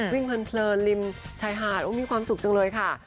เพลินริมชายหาดมีความสุขจังเลยค่ะ